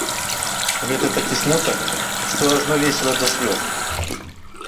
Гэта такі смутак, што ажно весела да слёз!